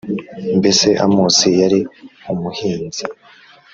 Mbese Amosi yari umuhinzi